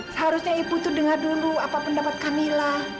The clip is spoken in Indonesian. seharusnya ibu itu dengar dulu apa pendapat kamilah